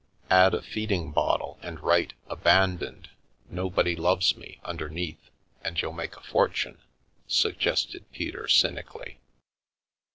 " "Add a feeding bottle and write 'Abandoned. No body loves me,' underneath, and you'll make a fortune," suggested Peter cynically.